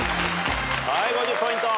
５０ポイント。